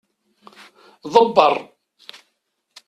Ḍebbeṛ.